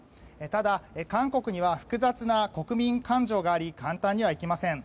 ただ、韓国には複雑な国民感情があり簡単にはいきません。